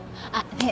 ねえ。